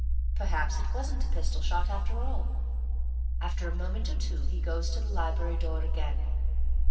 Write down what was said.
Perhaps it wasn't a pistol shot after all. After a moment or two he goes to the library door again.